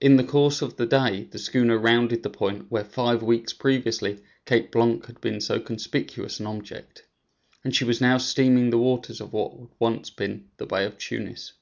In the course of the day the schooner rounded the point where, five weeks previously, Cape Blanc had been so conspicuous an object, and she was now stemming the waters of what once had been the Bay of Tunis.